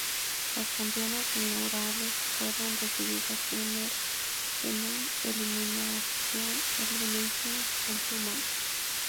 Las campeonas inaugurales fueron decididas en un Elimination Chamber Match.